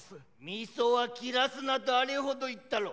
味噌は切らすなとあれほど言ったろう。